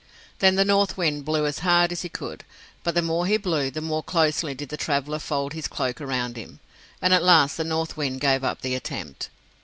Then the North Wind blew as hard as he could, but the more he blew the more closely did the traveler fold his cloak around him; and at last the North Wind gave up the attempt.